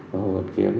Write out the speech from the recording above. và đi ra đường